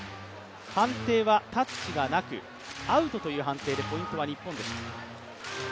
判定はタッチがなく、アウトという判定でポイントは日本でした。